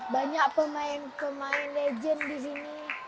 banyak pemain pemain legend di sini